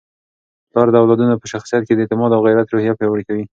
پلار د اولادونو په شخصیت کي د اعتماد او غیرت روحیه پیاوړې کوي.